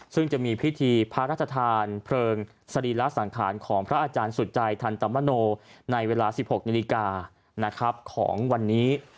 ซึ่งจะมีพิธีพระราชทานเพลิงสรีระสังขารของพระอาจารย์สุจัยทันตมโนในเวลา๑๖นาฬิกาของวันนี้